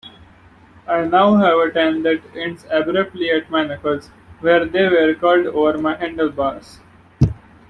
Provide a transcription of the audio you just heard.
I now have a tan that ends abruptly at my knuckles where they were curled over my handlebars.